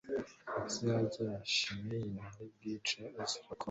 mbese harya shimeyi ntaribwicwe azira ko